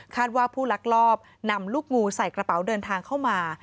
ว่าผู้ลักลอบนำลูกงูใส่กระเป๋าเดินทางเข้ามา